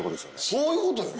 そういうことよ。